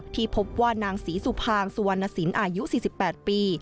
ที่พบว่านางศรีสุภางสวรรณสินอายุสี่สิบแปดปี